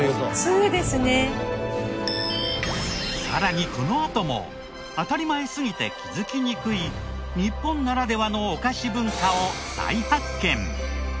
さらにこのあとも当たり前すぎて気づきにくい日本ならではのお菓子文化を再発見！